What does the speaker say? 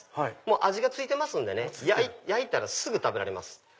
味が付いてますんでね焼いたらすぐ食べられます。